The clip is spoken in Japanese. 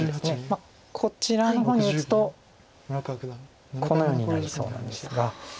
こちらの方に打つとこのようになりそうなんですが。